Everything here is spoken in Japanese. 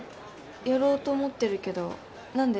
やろうと思ってるけど何で？